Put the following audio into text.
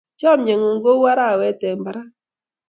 Chamyengun ko u arawet eng bparak